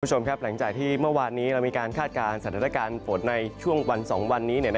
คุณผู้ชมครับหลังจากที่เมื่อวานนี้เรามีการคาดการณ์สถานการณ์ฝนในช่วงวัน๒วันนี้